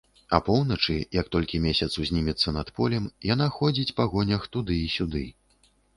Апоўначы, як толькі месяц узнімецца над полем, яна ходзіць па гонях туды і сюды.